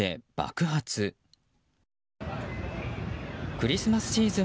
クリスマスシーズン